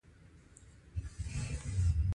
ځغاسته د طبیعت ښکلا لیدو لاره ده